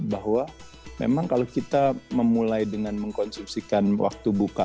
bahwa memang kalau kita memulai dengan mengkonsumsikan waktu buka